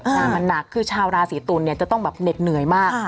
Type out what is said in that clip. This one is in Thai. งานมันหนักคือชาวราศีตุลเนี่ยจะต้องแบบเหน็ดเหนื่อยมาก